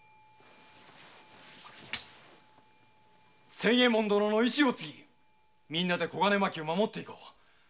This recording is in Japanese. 仙右衛門殿の遺志を継ぎ皆で小金牧を守っていこう。